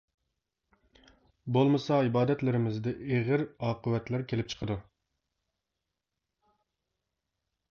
بولمىسا ئىبادەتلىرىمىزدە ئېغىر ئاقىۋەتلەر كېلىپ چىقىدۇ.